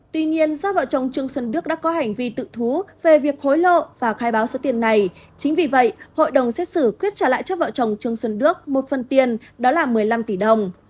tuy nhiên do vợ chồng trương xuân đức đã có hành vi tự thú về việc hối lộ và khai báo số tiền này chính vì vậy hội đồng xét xử quyết trả lại cho vợ chồng trương xuân đức một phần tiền đó là một mươi năm tỷ đồng